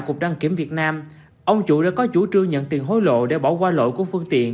cục đăng kiểm việt nam ông chủ đã có chủ trương nhận tiền hối lộ để bỏ qua lỗi của phương tiện